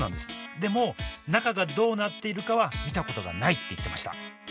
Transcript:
でも中がどうなっているかは見たことがないって言ってました。